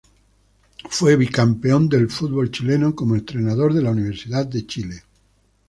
Fue Bicampeón del fútbol chileno como entrenador de la Universidad de Chile.